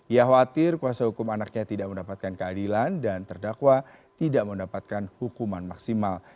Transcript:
ia khawatir kuasa hukum anaknya tidak mendapatkan keadilan dan terdakwa tidak mendapatkan hukuman maksimal